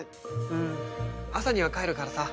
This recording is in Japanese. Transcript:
朝には帰るからさ。